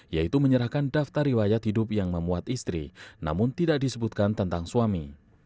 yaitu menyerahkan daftar riwayat hidup yang memuat istri namun tidak disebutkan tentang suami